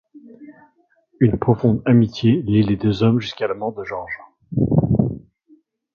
Une profonde amitié lie les deux hommes jusqu'à la mort de Georges.